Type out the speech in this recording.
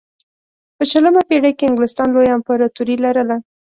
په شلمه پېړۍ کې انګلستان لویه امپراتوري لرله.